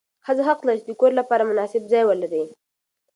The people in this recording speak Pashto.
ښځه حق لري چې د کور لپاره مناسب ځای ولري.